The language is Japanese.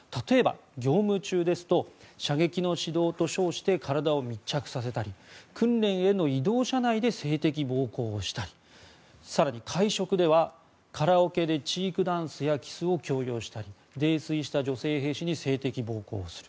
例えば、業務ですと射撃の指導と称して体を密着させたり訓練の移動車内で性的暴行をしたり更に会食ではカラオケでチークダンスやキスを強要したり泥酔した女性兵士に性的暴行をする。